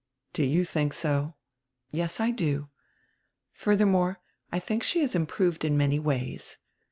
"Do you think so?" "Yes, I do. Furthermore I think she has improved in many ways.